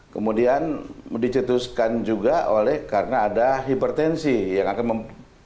kemudian dicetuskan juga oleh karena ada hipertensi yang akan